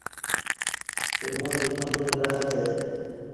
گمان ایمان گاتہ